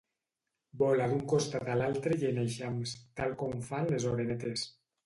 Vola d'un costat a l'altre i en eixams, tal com fan les orenetes.